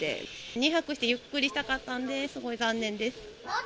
２泊してゆっくりしたかったんで、すごい残念です。